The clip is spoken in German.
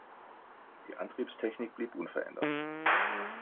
Die Antriebstechnik blieb unverändert.